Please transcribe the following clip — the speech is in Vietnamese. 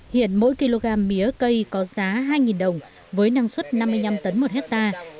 hiện mỗi kg mía cây có giá hai đồng với năng suất năm mươi năm tấn một hectare